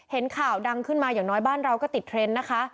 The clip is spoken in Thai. เห็นข่าวดังขึ้นมาอย่างน้อยบ้านเราก็ติดเทรนด์นะคะ